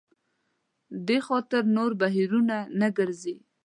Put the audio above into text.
دې خاطر نور بهیرونه نه ګرځي.